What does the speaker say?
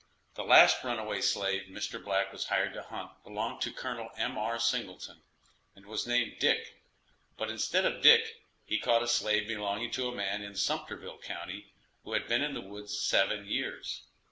The last runaway slave Mr. Black was hired to hunt belonged to Col. M.R. Singleton, and was named Dick, but instead of Dick he caught a slave belonging to a man in Sumterville county, who had been in the woods seven years.